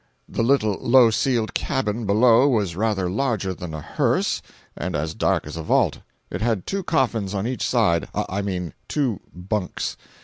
The little low ceiled cabin below was rather larger than a hearse, and as dark as a vault. It had two coffins on each side—I mean two bunks.